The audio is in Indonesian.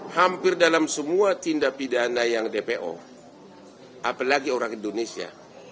hampir dalam semua tindak pidana yang dpo apalagi orang indonesia